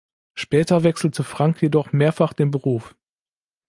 Später wechselte Frank jedoch mehrfach den Beruf.